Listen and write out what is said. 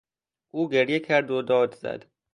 او گریه کرد و داد زد.